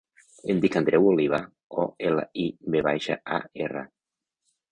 Em dic Andreu Olivar: o, ela, i, ve baixa, a, erra.